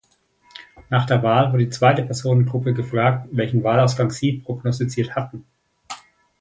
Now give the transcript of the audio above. Nach der Wahl wird eine zweite Personengruppe gefragt, welchen Wahlausgang sie prognostiziert hatten.